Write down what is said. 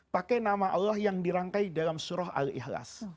pakai nama allah yang dirangkai dalam surah al ikhlas